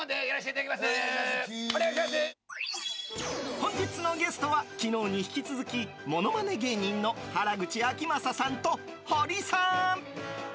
本日のゲストは昨日に引き続きモノマネ芸人の原口あきまささんとホリさん。